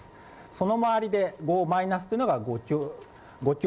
その周りで５マイナスというのが５強、